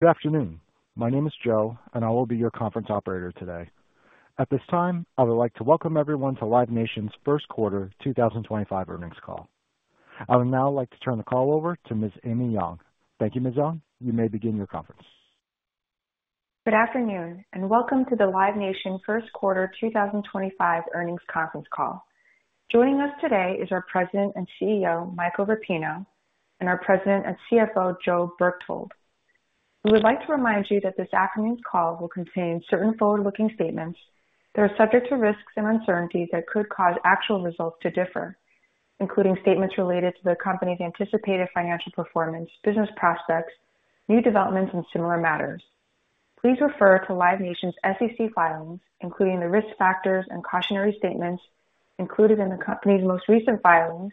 Good afternoon. My name is Joe, and I will be your conference operator today. At this time, I would like to welcome everyone to Live Nation's first quarter 2025 earnings call. I would now like to turn the call over to Ms. Amy Yong. Thank you, Ms. Yong. You may begin your conference. Good afternoon, and welcome to the Live Nation first quarter 2025 earnings conference call. Joining us today is our President and CEO, Michael Rapino, and our President and CFO, Joe Berchtold. We would like to remind you that this afternoon's call will contain certain forward-looking statements that are subject to risks and uncertainties that could cause actual results to differ, including statements related to the company's anticipated financial performance, business prospects, new developments, and similar matters. Please refer to Live Nation's SEC filings, including the risk factors and cautionary statements included in the company's most recent filings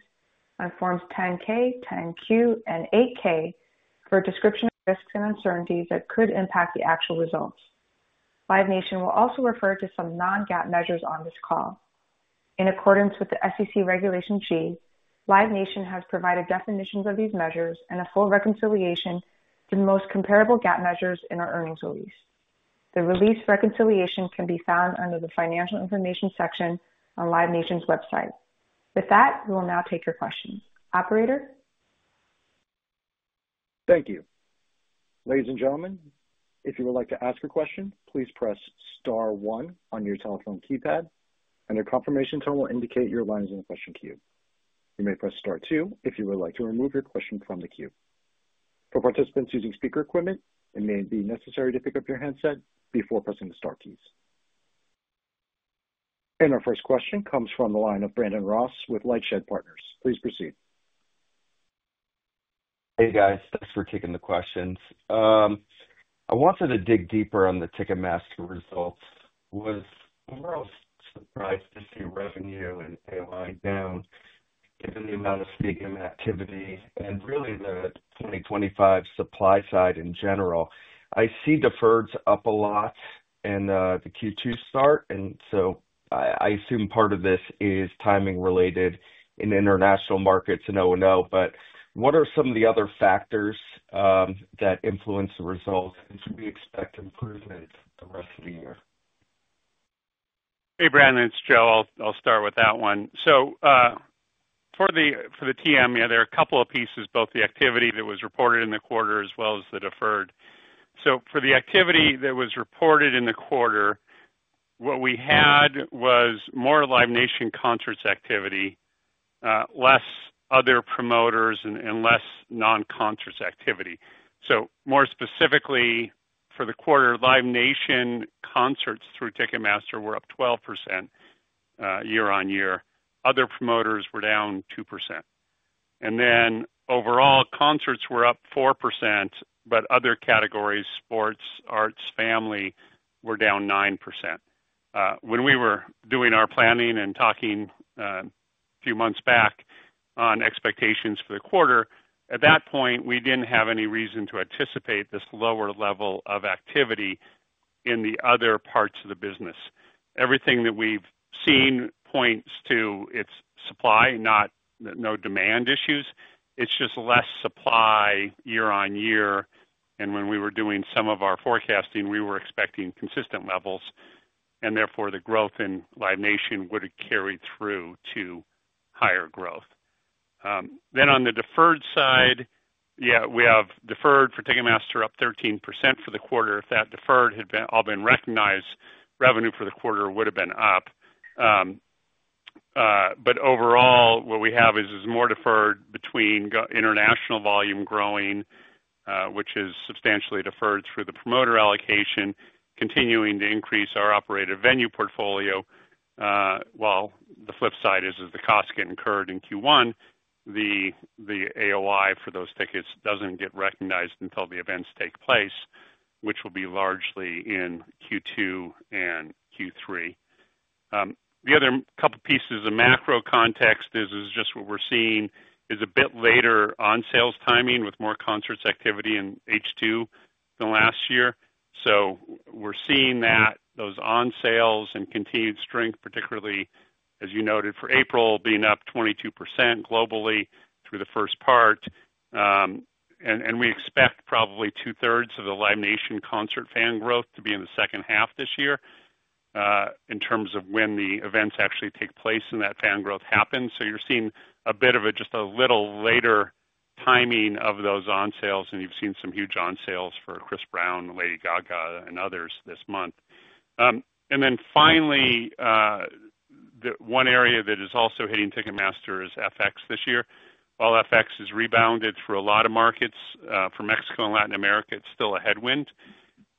on Forms 10-K, 10-Q, and 8-K for a description of risks and uncertainties that could impact the actual results. Live Nation will also refer to some non-GAAP measures on this call. In accordance with the SEC Regulation G, Live Nation has provided definitions of these measures and a full reconciliation to the most comparable GAAP measures in our earnings release. The release reconciliation can be found under the financial information section on Live Nation's website. With that, we will now take your questions. Operator? Thank you. Ladies and gentlemen, if you would like to ask a question, please press Star 1 on your telephone keypad, and a confirmation tone will indicate your line is in the question queue. You may press Star 2 if you would like to remove your question from the queue. For participants using speaker equipment, it may be necessary to pick up your handset before pressing the Star keys. Our first question comes from the line of Brandon Ross with LightShed Partners. Please proceed. Hey, guys. Thanks for taking the questions. I wanted to dig deeper on the Ticketmaster results. I was almost surprised to see revenue and AOI down, given the amount of speaking activity and really the 2025 supply side in general. I see deferreds up a lot in the Q2 start, and I assume part of this is timing related in international markets and O&O, but what are some of the other factors that influence the results? Should we expect improvement the rest of the year? Hey, Brandon. It's Joe. I'll start with that one. For the TM, there are a couple of pieces, both the activity that was reported in the quarter as well as the deferred. For the activity that was reported in the quarter, what we had was more Live Nation concerts activity, less other promoters, and less non-concerts activity. More specifically, for the quarter, Live Nation concerts through Ticketmaster were up 12% year on year. Other promoters were down 2%. Overall, concerts were up 4%, but other categories, sports, arts, family, were down 9%. When we were doing our planning and talking a few months back on expectations for the quarter, at that point, we did not have any reason to anticipate this lower level of activity in the other parts of the business. Everything that we've seen points to it's supply, not no demand issues. It's just less supply year on year. When we were doing some of our forecasting, we were expecting consistent levels, and therefore the growth in Live Nation would have carried through to higher growth. On the deferred side, yeah, we have deferred for Ticketmaster up 13% for the quarter. If that deferred had all been recognized, revenue for the quarter would have been up. Overall, what we have is more deferred between international volume growing, which is substantially deferred through the promoter allocation, continuing to increase our operator venue portfolio. The flip side is, as the costs get incurred in Q1, the AOI for those tickets doesn't get recognized until the events take place, which will be largely in Q2 and Q3. The other couple pieces of macro context is just what we're seeing is a bit later on sales timing with more concerts activity in H2 than last year. We're seeing that those on sales and continued strength, particularly, as you noted for April, being up 22% globally through the first part. We expect probably two-thirds of the Live Nation concert fan growth to be in the second half this year in terms of when the events actually take place and that fan growth happens. You're seeing a bit of a just a little later timing of those on sales, and you've seen some huge on sales for Chris Brown, Lady Gaga, and others this month. Finally, one area that is also hitting Ticketmaster is FX this year. While FX has rebounded for a lot of markets, for Mexico and Latin America, it's still a headwind.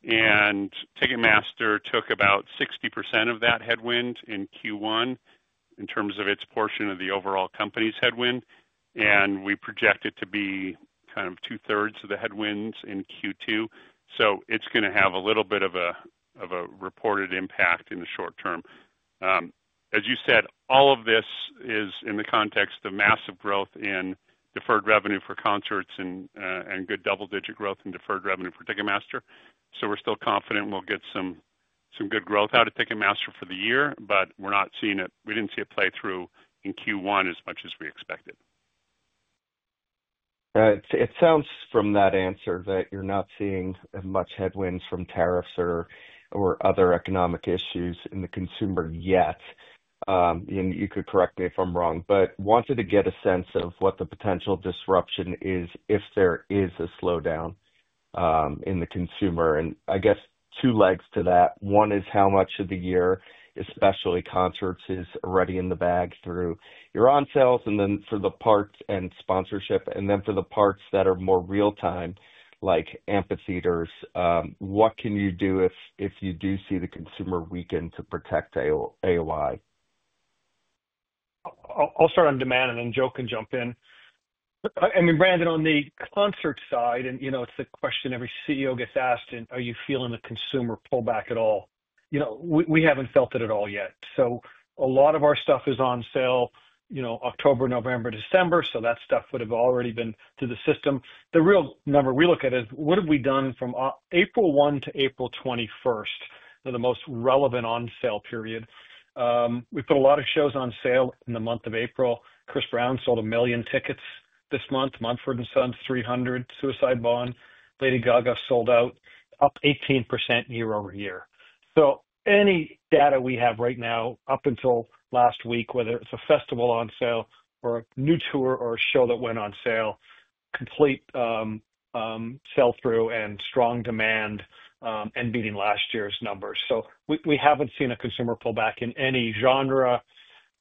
Ticketmaster took about 60% of that headwind in Q1 in terms of its portion of the overall company's headwind. We project it to be kind of two-thirds of the headwinds in Q2. It is going to have a little bit of a reported impact in the short term. As you said, all of this is in the context of massive growth in deferred revenue for concerts and good double-digit growth in deferred revenue for Ticketmaster. We are still confident we will get some good growth out of Ticketmaster for the year, but we are not seeing it. We did not see it play through in Q1 as much as we expected. It sounds from that answer that you're not seeing as much headwinds from tariffs or other economic issues in the consumer yet. You could correct me if I'm wrong, but wanted to get a sense of what the potential disruption is if there is a slowdown in the consumer. I guess two legs to that. One is how much of the year, especially concerts, is already in the bag through your on sales, and then for the parts and sponsorship, and then for the parts that are more real-time, like amphitheaters, what can you do if you do see the consumer weaken to protect AOI? I'll start on demand, and then Joe can jump in. I mean, Brandon, on the concert side, and it's the question every CEO gets asked, are you feeling the consumer pullback at all? We haven't felt it at all yet. A lot of our stuff is on sale October, November, December, so that stuff would have already been through the system. The real number we look at is what have we done from April 1 to April 21st, the most relevant on sale period. We put a lot of shows on sale in the month of April. Chris Brown sold a million tickets this month. Mumford & Sons 300, $UICIDEBOY$, Lady Gaga sold out, up 18% year-over-year. Any data we have right now up until last week, whether it's a festival on sale or a new tour or a show that went on sale, complete sell-through and strong demand and beating last year's numbers. We haven't seen a consumer pullback in any genre,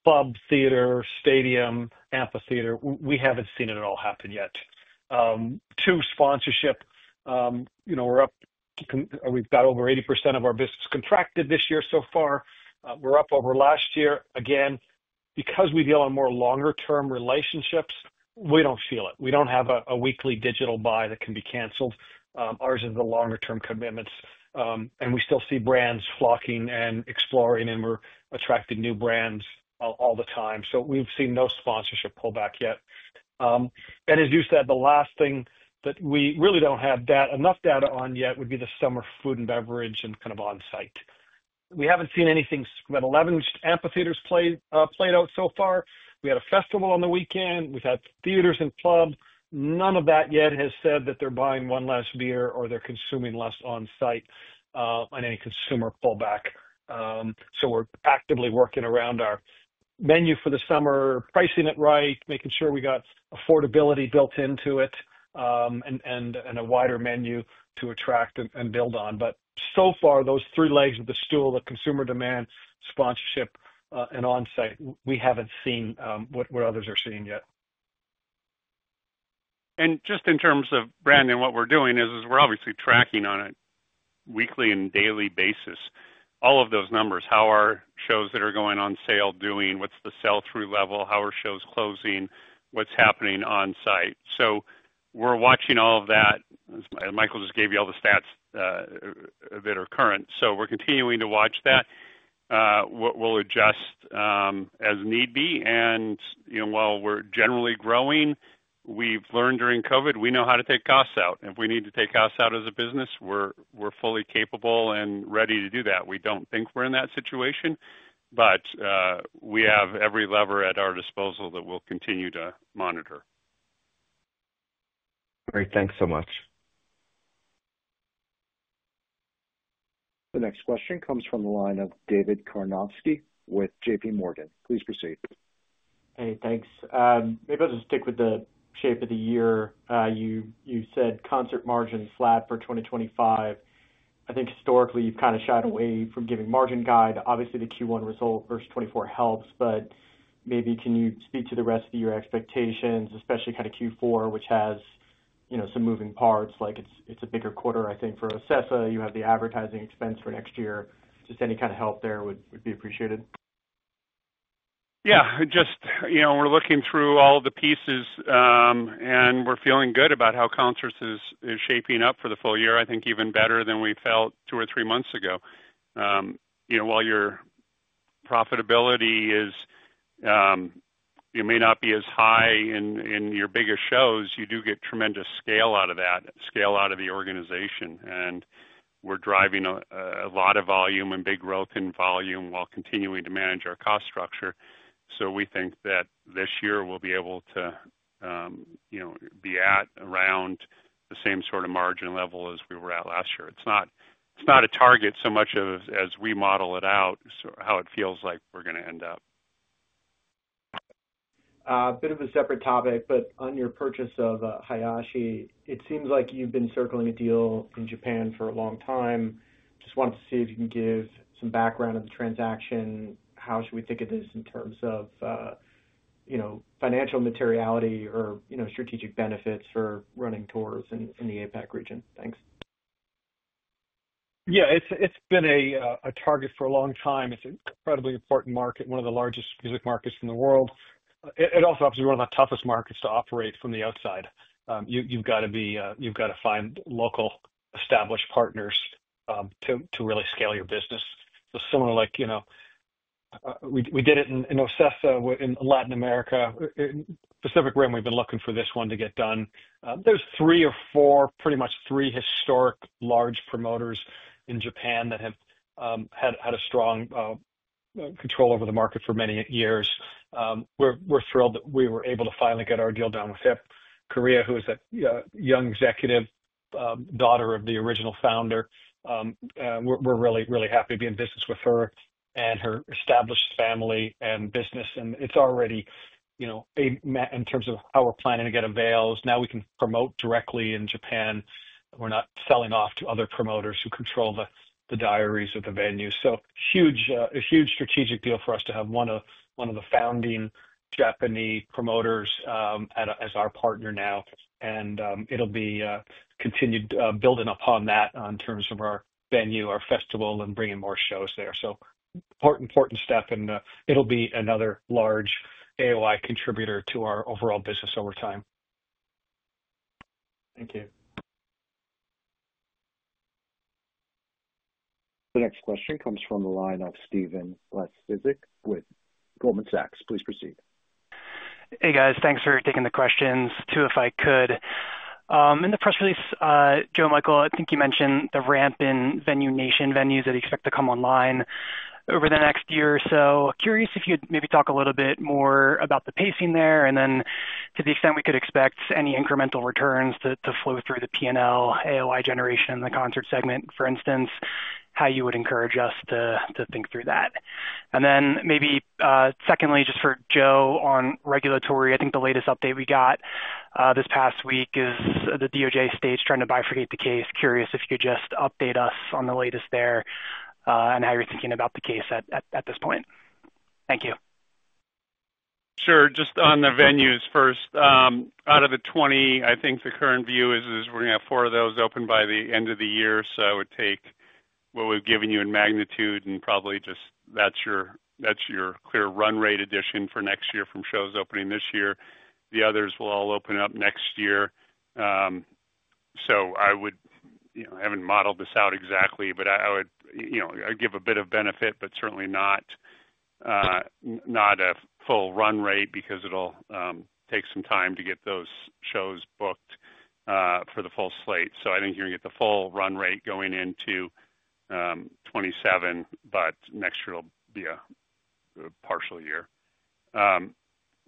club, theater, stadium, amphitheater. We haven't seen it at all happen yet. To sponsorship, we're up to we've got over 80% of our business contracted this year so far. We're up over last year. Again, because we deal on more longer-term relationships, we don't feel it. We don't have a weekly digital buy that can be canceled. Ours is the longer-term commitments. We still see brands flocking and exploring, and we're attracting new brands all the time. We've seen no sponsorship pullback yet. As you said, the last thing that we really do not have enough data on yet would be the summer food and beverage and kind of on-site. We have not seen anything that 11 amphitheaters played out so far. We had a festival on the weekend. We have had theaters and club. None of that yet has said that they are buying one less beer or they are consuming less on-site on any consumer pullback. We are actively working around our menu for the summer, pricing it right, making sure we have affordability built into it, and a wider menu to attract and build on. So far, those three legs of the stool, the consumer demand, sponsorship, and on-site, we have not seen what others are seeing yet. Just in terms of, Brandon, what we're doing is we're obviously tracking on a weekly and daily basis all of those numbers. How are shows that are going on sale doing? What's the sell-through level? How are shows closing? What's happening on-site? We're watching all of that. Michael just gave you all the stats that are current. We're continuing to watch that. We'll adjust as need be. While we're generally growing, we've learned during COVID, we know how to take costs out. If we need to take costs out as a business, we're fully capable and ready to do that. We don't think we're in that situation, but we have every lever at our disposal that we'll continue to monitor. Great. Thanks so much. The next question comes from the line of David Karnovsky with JPMorgan. Please proceed. Hey, thanks. Maybe I'll just stick with the shape of the year. You said concert margins flat for 2025. I think historically, you've kind of shied away from giving margin guide. Obviously, the Q1 result versus 2024 helps, but maybe can you speak to the rest of your expectations, especially kind of Q4, which has some moving parts? Like it's a bigger quarter, I think, for OCESA. You have the advertising expense for next year. Just any kind of help there would be appreciated. Yeah. Just we're looking through all of the pieces, and we're feeling good about how concerts is shaping up for the full year. I think even better than we felt two or three months ago. While your profitability may not be as high in your biggest shows, you do get tremendous scale out of that, scale out of the organization. We're driving a lot of volume and big growth in volume while continuing to manage our cost structure. We think that this year we'll be able to be at around the same sort of margin level as we were at last year. It's not a target so much as we model it out, how it feels like we're going to end up. A bit of a separate topic, but on your purchase of Hayashi, it seems like you've been circling a deal in Japan for a long time. Just wanted to see if you can give some background on the transaction. How should we think of this in terms of financial materiality or strategic benefits for running tours in the APAC region? Thanks. Yeah. It's been a target for a long time. It's an incredibly important market, one of the largest music markets in the world. It also obviously is one of the toughest markets to operate from the outside. You've got to find local established partners to really scale your business. Similar like we did it in OCESA in Latin America. Pacific Rim, we've been looking for this one to get done. There are three or four, pretty much three historic large promoters in Japan that have had a strong control over the market for many years. We're thrilled that we were able to finally get our deal done with Hayashi, who is a young executive daughter of the original founder. We're really, really happy to be in business with her and her established family and business. It's already in terms of how we're planning to get a sales. Now we can promote directly in Japan. We're not selling off to other promoters who control the diaries of the venue. Huge strategic deal for us to have one of the founding Japanese promoters as our partner now. It will be continued building upon that in terms of our venue, our festival, and bringing more shows there. Important step, and it will be another large AOI contributor to our overall business over time. Thank you. The next question comes from the line of Stephen Laszczyk with Goldman Sachs. Please proceed. Hey, guys. Thanks for taking the questions. Two, if I could. In the press release, Joe and Michael, I think you mentioned the ramp in Venue Nation venues that you expect to come online over the next year or so. Curious if you'd maybe talk a little bit more about the pacing there, and then to the extent we could expect any incremental returns to flow through the P&L, AOI generation, the concert segment, for instance, how you would encourage us to think through that. Maybe secondly, just for Joe on regulatory, I think the latest update we got this past week is the DOJ's case trying to bifurcate the case. Curious if you could just update us on the latest there and how you're thinking about the case at this point. Thank you. Sure. Just on the venues first. Out of the 20, I think the current view is we're going to have four of those open by the end of the year. Take what we've given you in magnitude, and probably just that's your clear run rate addition for next year from shows opening this year. The others will all open up next year. I haven't modeled this out exactly, but I would give a bit of benefit, but certainly not a full run rate because it'll take some time to get those shows booked for the full slate. I think you're going to get the full run rate going into 2027, but next year will be a partial year.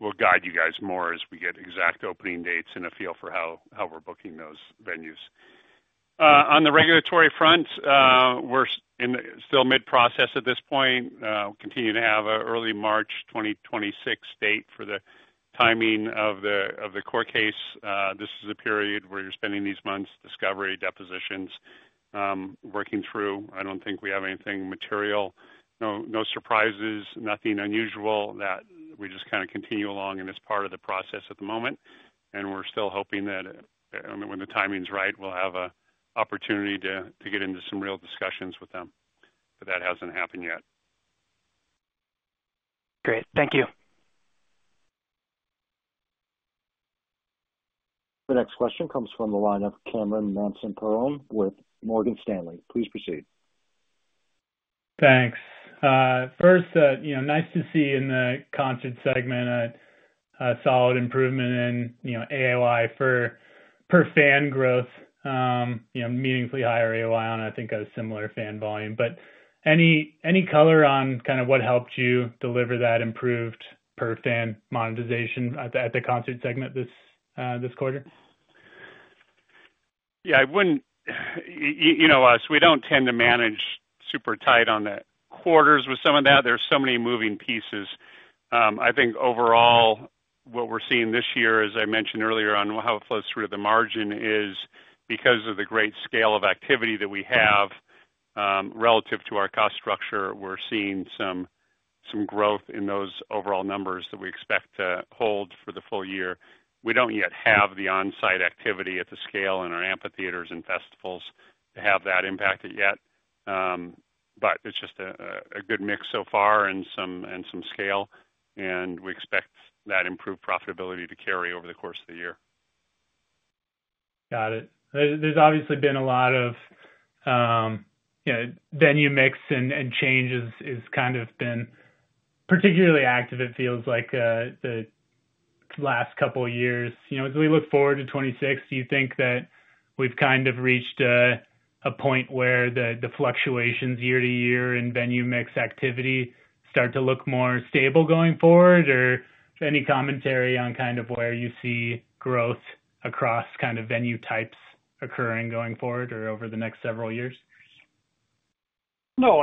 We'll guide you guys more as we get exact opening dates and a feel for how we're booking those venues. On the regulatory front, we're still mid-process at this point. We continue to have an early March 2026 date for the timing of the court case. This is a period where you're spending these months discovery, depositions, working through. I don't think we have anything material. No surprises, nothing unusual. We just kind of continue along, and it's part of the process at the moment. We're still hoping that when the timing's right, we'll have an opportunity to get into some real discussions with them. That hasn't happened yet. Great. Thank you. The next question comes from the line of Cameron Manson-Perrone with Morgan Stanley. Please proceed. Thanks. First, nice to see in the concert segment a solid improvement in AOI for fan growth. Meaningfully higher AOI on, I think, a similar fan volume. Any color on kind of what helped you deliver that improved per fan monetization at the concert segment this quarter? Yeah. You know us. We do not tend to manage super tight on the quarters with some of that. There are so many moving pieces. I think overall, what we are seeing this year, as I mentioned earlier on how it flows through the margin, is because of the great scale of activity that we have relative to our cost structure, we are seeing some growth in those overall numbers that we expect to hold for the full year. We do not yet have the on-site activity at the scale in our amphitheaters and festivals to have that impact it yet. It is just a good mix so far and some scale. We expect that improved profitability to carry over the course of the year. Got it. There has obviously been a lot of venue mix and change has kind of been particularly active, it feels like, the last couple of years. As we look forward to 2026, do you think that we have kind of reached a point where the fluctuations year to year in venue mix activity start to look more stable going forward? Or any commentary on kind of where you see growth across kind of venue types occurring going forward or over the next several years? No.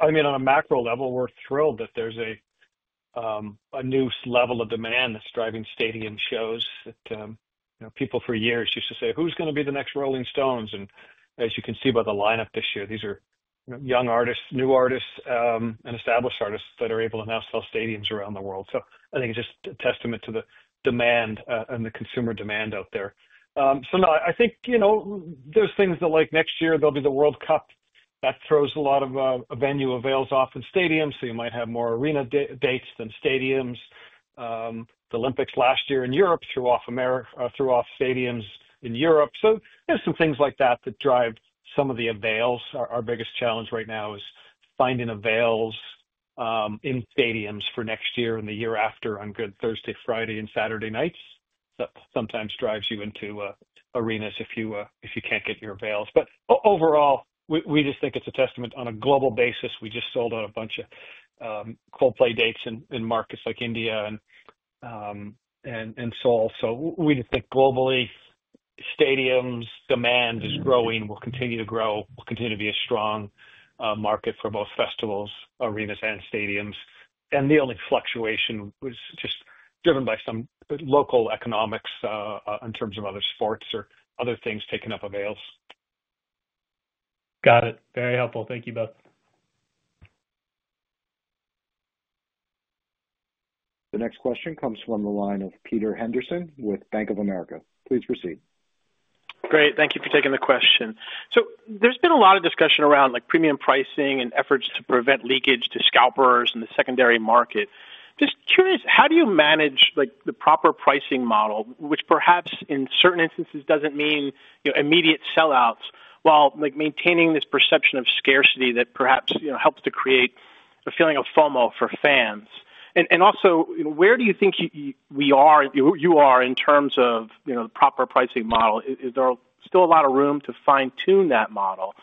I mean, on a macro level, we're thrilled that there's a new level of demand that's driving stadium shows. People for years used to say, "Who's going to be the next Rolling Stones?" As you can see by the lineup this year, these are young artists, new artists, and established artists that are able to now sell stadiums around the world. I think it's just a testament to the demand and the consumer demand out there. No, I think there's things that like next year, there'll be the World Cup. That throws a lot of venue avails off in stadiums. You might have more arena dates than stadiums. The Olympics last year in Europe threw off stadiums in Europe. There's some things like that that drive some of the avails. Our biggest challenge right now is finding avails in stadiums for next year and the year after on good Thursday, Friday, and Saturday nights. Sometimes it drives you into arenas if you can't get your avails. Overall, we just think it's a testament on a global basis. We just sold out a bunch of Coldplay dates in markets like India and Seoul. We just think globally, stadium demand is growing. It will continue to grow. It will continue to be a strong market for both festivals, arenas, and stadiums. The only fluctuation was just driven by some local economics in terms of other sports or other things taking up avails. Got it. Very helpful. Thank you both. The next question comes from the line of Peter Henderson with Bank of America. Please proceed. Great. Thank you for taking the question. There has been a lot of discussion around premium pricing and efforts to prevent leakage to scalpers and the secondary market. Just curious, how do you manage the proper pricing model, which perhaps in certain instances does not mean immediate sellouts while maintaining this perception of scarcity that perhaps helps to create a feeling of FOMO for fans? Also, where do you think you are in terms of the proper pricing model? Is there still a lot of room to fine-tune that model?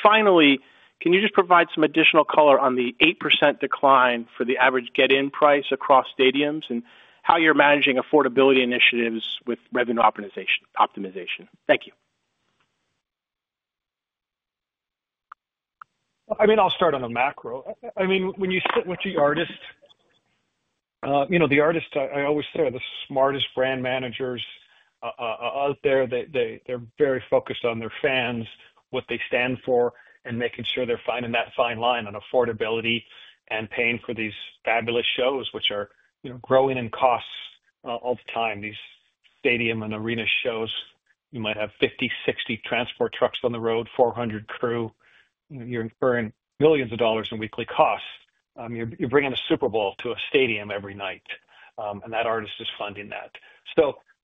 Finally, can you just provide some additional color on the 8% decline for the average get-in price across stadiums and how you are managing affordability initiatives with revenue optimization? Thank you. I mean, I'll start on the macro. I mean, when you sit with the artists, the artists, I always say, are the smartest brand managers out there. They're very focused on their fans, what they stand for, and making sure they're finding that fine line on affordability and paying for these fabulous shows, which are growing in costs all the time. These stadium and arena shows, you might have 50, 60 transport trucks on the road, 400 crew. You're incurring millions of dollars in weekly costs. You're bringing a Super Bowl to a stadium every night, and that artist is funding that.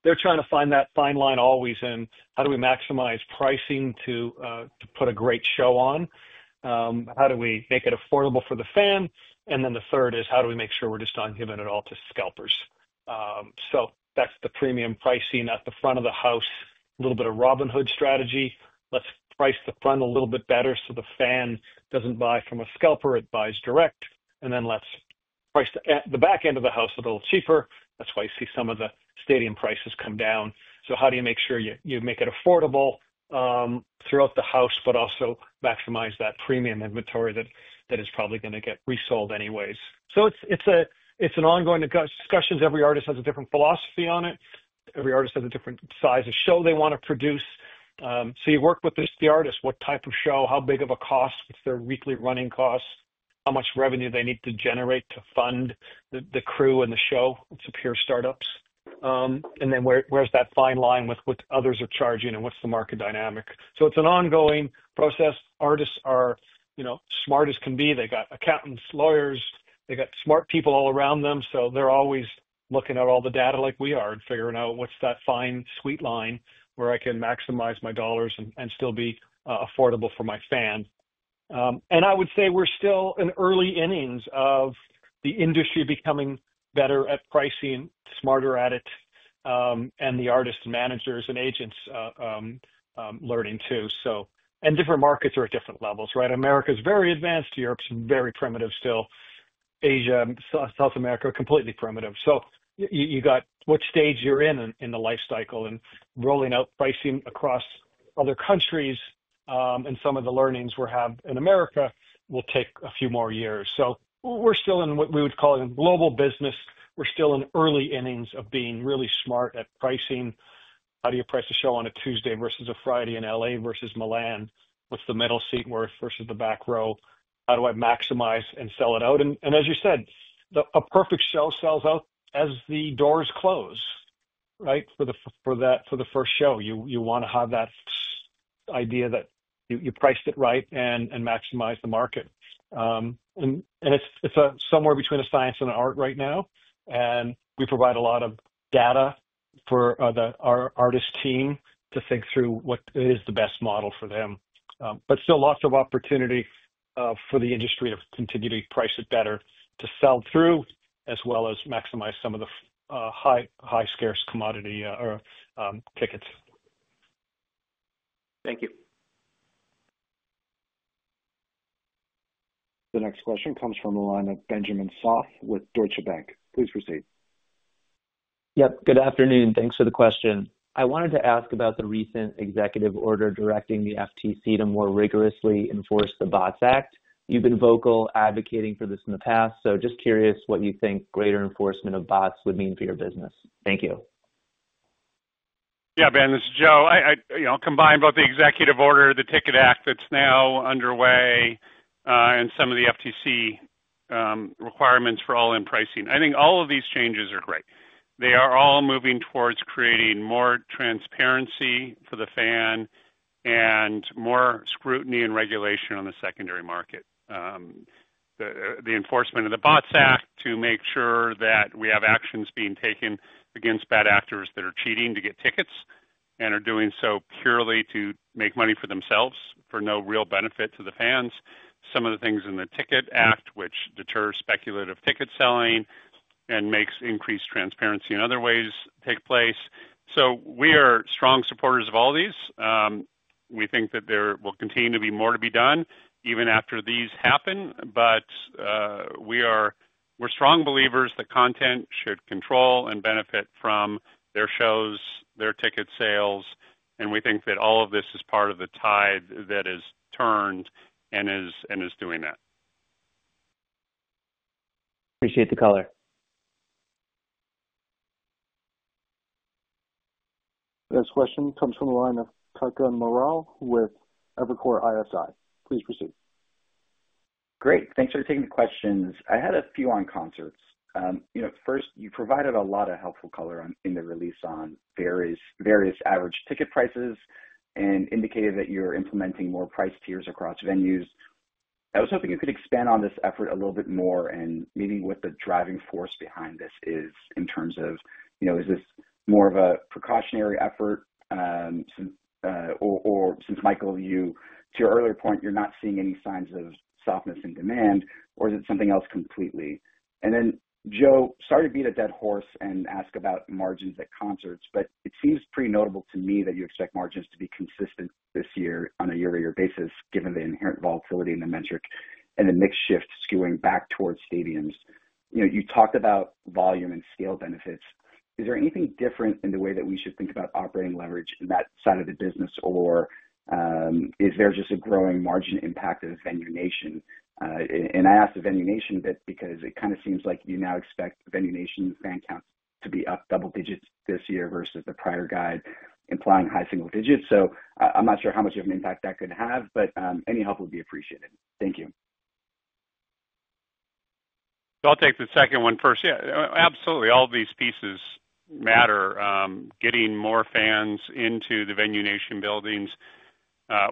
They're trying to find that fine line always in how do we maximize pricing to put a great show on? How do we make it affordable for the fan? The third is how do we make sure we're just not giving it all to scalpers? That's the premium pricing at the front of the house, a little bit of Robinhood strategy. Let's price the front a little bit better so the fan doesn't buy from a scalper. It buys direct. Let's price the back end of the house a little cheaper. That's why you see some of the stadium prices come down. How do you make sure you make it affordable throughout the house, but also maximize that premium inventory that is probably going to get resold anyways? It's an ongoing discussion. Every artist has a different philosophy on it. Every artist has a different size of show they want to produce. You work with the artist. What type of show? How big of a cost? What's their weekly running cost? How much revenue they need to generate to fund the crew and the show? It's a pure startups. Where is that fine line with what others are charging and what is the market dynamic? It is an ongoing process. Artists are smart as can be. They have accountants, lawyers. They have smart people all around them. They are always looking at all the data like we are and figuring out what is that fine sweet line where I can maximize my dollars and still be affordable for my fan. I would say we are still in early innings of the industry becoming better at pricing, smarter at it, and the artists, managers, and agents learning too. Different markets are at different levels, right? America is very advanced. Europe is very primitive still. Asia and South America are completely primitive. You have what stage you are in in the life cycle and rolling out pricing across other countries. Some of the learnings we have in America will take a few more years. We are still in what we would call a global business. We are still in early innings of being really smart at pricing. How do you price a show on a Tuesday versus a Friday in LA versus Milan? What is the middle seat worth versus the back row? How do I maximize and sell it out? As you said, a perfect show sells out as the doors close, right? For the first show, you want to have that idea that you priced it right and maximize the market. It is somewhere between a science and an art right now. We provide a lot of data for our artist team to think through what is the best model for them. is still lots of opportunity for the industry to continue to price it better, to sell through, as well as maximize some of the high scarce commodity tickets. Thank you. The next question comes from the line of Benjamin Soff with Deutsche Bank. Please proceed. Yep. Good afternoon. Thanks for the question. I wanted to ask about the recent executive order directing the FTC to more rigorously enforce the BOTS Act. You've been vocal advocating for this in the past, so just curious what you think greater enforcement of Bots would mean for your business. Thank you. Yeah, Ben, this is Joe. I'll combine both the executive order, the TICKET Act that's now underway, and some of the FTC requirements for all-in pricing. I think all of these changes are great. They are all moving towards creating more transparency for the fan and more scrutiny and regulation on the secondary market. The enforcement of the BOTS Act to make sure that we have actions being taken against bad actors that are cheating to get tickets and are doing so purely to make money for themselves for no real benefit to the fans. Some of the things in the TICKET Act, which deters speculative ticket selling and makes increased transparency in other ways, take place. We are strong supporters of all these. We think that there will continue to be more to be done even after these happen. We are strong believers that content should control and benefit from their shows, their ticket sales. We think that all of this is part of the tide that has turned and is doing that. Appreciate the color. The next question comes from the line of Kutgun Maral with Evercore ISI. Please proceed. Great. Thanks for taking the questions. I had a few on concerts. First, you provided a lot of helpful color in the release on various average ticket prices and indicated that you're implementing more price tiers across venues. I was hoping you could expand on this effort a little bit more and maybe what the driving force behind this is in terms of, is this more of a precautionary effort or, since Michael, to your earlier point, you're not seeing any signs of softness in demand, or is it something else completely? You know, Joe started to beat a dead horse and ask about margins at concerts, but it seems pretty notable to me that you expect margins to be consistent this year on a year-to-year basis, given the inherent volatility in the metric and the mixed shift skewing back towards stadiums. You talked about volume and scale benefits. Is there anything different in the way that we should think about operating leverage in that side of the business, or is there just a growing margin impact of Venue Nation? I asked the Venue Nation bit because it kind of seems like you now expect Venue Nation fan counts to be up double digits this year versus the prior guide implying high single digits. I'm not sure how much of an impact that could have, but any help would be appreciated. Thank you. I'll take the second one first. Yeah, absolutely. All these pieces matter. Getting more fans into the Venue Nation buildings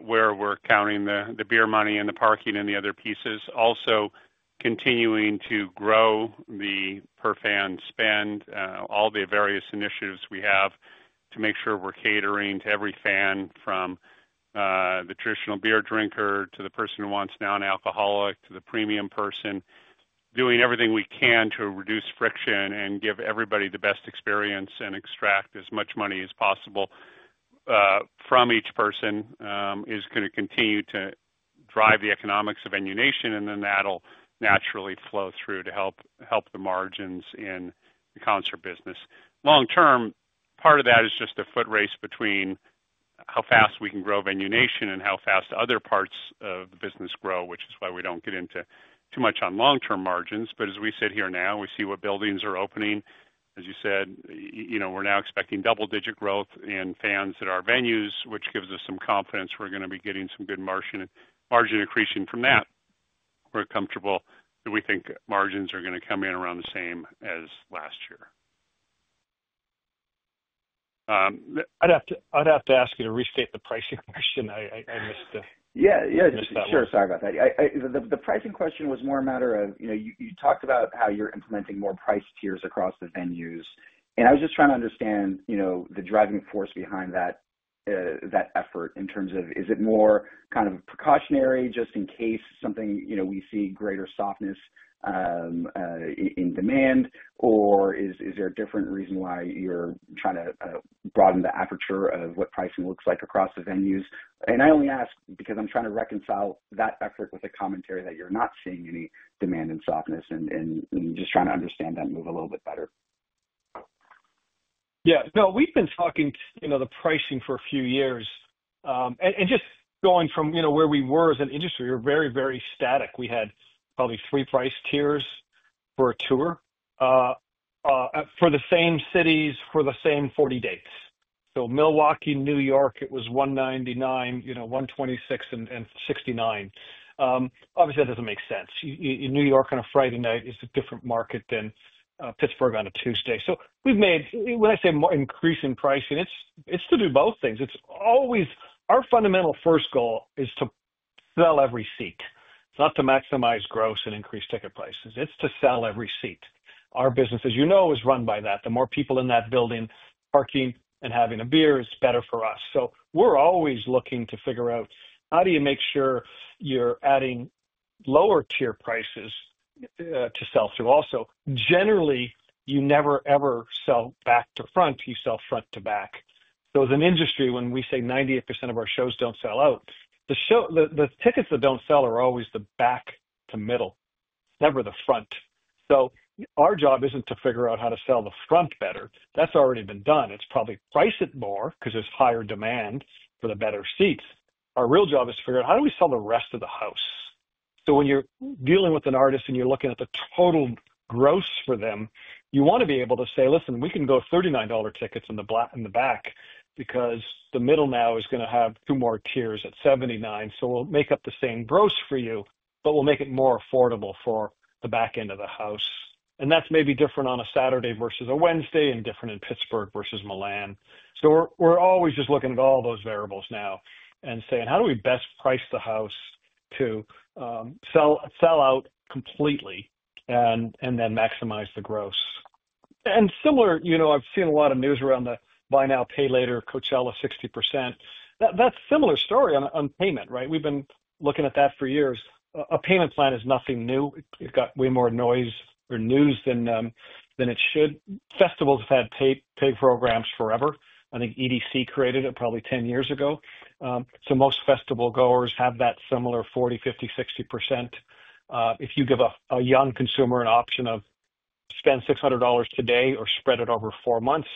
where we're counting the beer money and the parking and the other pieces. Also continuing to grow the per fan spend, all the various initiatives we have to make sure we're catering to every fan from the traditional beer drinker to the person who wants non-alcoholic to the premium person. Doing everything we can to reduce friction and give everybody the best experience and extract as much money as possible from each person is going to continue to drive the economics of Venue Nation, and then that'll naturally flow through to help the margins in the concert business. Long term, part of that is just a foot race between how fast we can grow Venue Nation and how fast other parts of the business grow, which is why we do not get into too much on long-term margins. As we sit here now, we see what buildings are opening. As you said, we are now expecting double-digit growth in fans at our venues, which gives us some confidence we are going to be getting some good margin increasing from that. We are comfortable that we think margins are going to come in around the same as last year. I'd have to ask you to restate the pricing question. I missed the. Yeah, yeah. Sure. Sorry about that. The pricing question was more a matter of you talked about how you're implementing more price tiers across the venues. I was just trying to understand the driving force behind that effort in terms of, is it more kind of precautionary just in case we see greater softness in demand, or is there a different reason why you're trying to broaden the aperture of what pricing looks like across the venues? I only ask because I'm trying to reconcile that effort with the commentary that you're not seeing any demand in softness and just trying to understand that move a little bit better. Yeah. No, we've been talking the pricing for a few years. Just going from where we were as an industry, we were very, very static. We had probably three price tiers for a tour for the same cities for the same 40 dates. Milwaukee, New York, it was $199, $126, and $69. Obviously, that doesn't make sense. New York on a Friday night is a different market than Pittsburgh on a Tuesday. When I say increasing pricing, it's to do both things. Our fundamental first goal is to sell every seat. It's not to maximize gross and increase ticket prices. It's to sell every seat. Our business, as you know, is run by that. The more people in that building parking and having a beer, it's better for us. We're always looking to figure out how do you make sure you're adding lower-tier prices to sell through. Also, generally, you never, ever sell back to front. You sell front to back. As an industry, when we say 98% of our shows don't sell out, the tickets that don't sell are always the back to middle, never the front. Our job isn't to figure out how to sell the front better. That's already been done. It's probably price it more because there's higher demand for the better seats. Our real job is to figure out how do we sell the rest of the house. When you're dealing with an artist and you're looking at the total gross for them, you want to be able to say, "Listen, we can go $39 tickets in the back because the middle now is going to have two more tiers at $79. So we'll make up the same gross for you, but we'll make it more affordable for the back end of the house." That's maybe different on a Saturday versus a Wednesday and different in Pittsburgh versus Milan. We're always just looking at all those variables now and saying, "How do we best price the house to sell out completely and then maximize the gross?" Similar, I've seen a lot of news around the buy now, pay later, Coachella, 60%. That's a similar story on payment, right? We've been looking at that for years. A payment plan is nothing new. It's got way more noise or news than it should. Festivals have had paid programs forever. I think EDC created it probably 10 years ago. Most festival goers have that similar 40%, 50%, 60%. If you give a young consumer an option of spend $600 today or spread it over four months,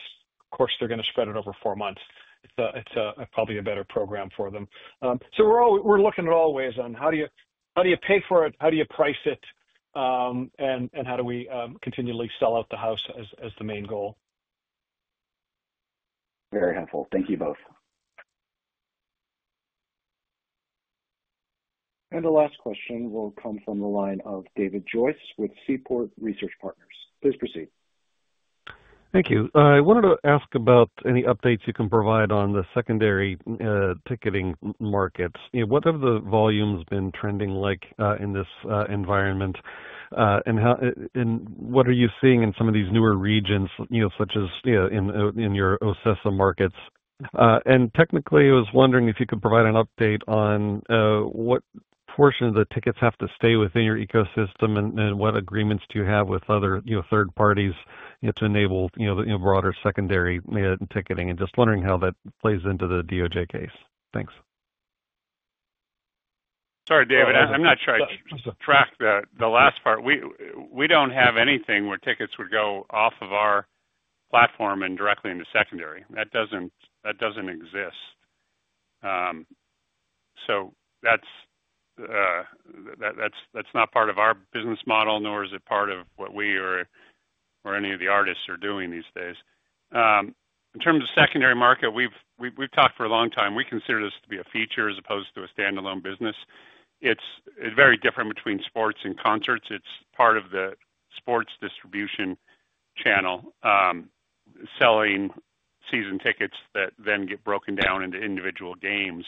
of course, they're going to spread it over four months. It's probably a better program for them. We are looking at all ways on how do you pay for it, how do you price it, and how do we continually sell out the house as the main goal. Very helpful. Thank you both. The last question will come from the line of David Joyce with Seaport Research Partners. Please proceed. Thank you. I wanted to ask about any updates you can provide on the secondary ticketing markets. What have the volumes been trending like in this environment, and what are you seeing in some of these newer regions, such as in your OCESA markets? Technically, I was wondering if you could provide an update on what portion of the tickets have to stay within your ecosystem, and what agreements do you have with other third parties to enable broader secondary ticketing, and just wondering how that plays into the DOJ case. Thanks. Sorry, David. I'm not sure I tracked the last part. We don't have anything where tickets would go off of our platform and directly into secondary. That doesn't exist. That's not part of our business model, nor is it part of what we or any of the artists are doing these days. In terms of secondary market, we've talked for a long time. We consider this to be a feature as opposed to a standalone business. It's very different between sports and concerts. It's part of the sports distribution channel, selling season tickets that then get broken down into individual games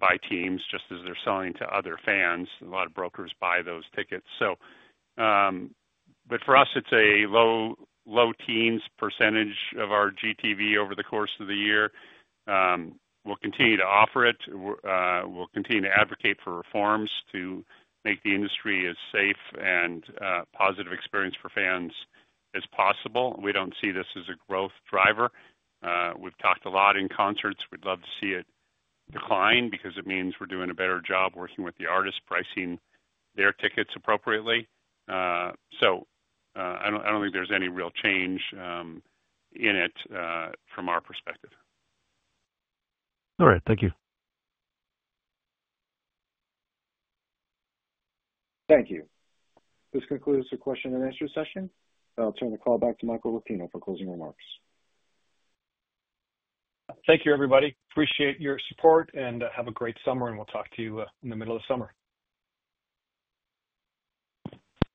by teams just as they're selling to other fans. A lot of brokers buy those tickets. For us, it's a low teens percentage of our GTV over the course of the year. We'll continue to offer it. We'll continue to advocate for reforms to make the industry as safe and positive experience for fans as possible. We don't see this as a growth driver. We've talked a lot in concerts. We'd love to see it decline because it means we're doing a better job working with the artists, pricing their tickets appropriately. I don't think there's any real change in it from our perspective. All right. Thank you. Thank you. This concludes the question and answer session. I'll turn the call back to Michael Rapino for closing remarks. Thank you, everybody. Appreciate your support, and have a great summer, and we'll talk to you in the middle of the summer.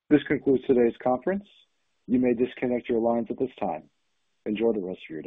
This concludes today's conference. You may disconnect your lines at this time. Enjoy the rest of your day.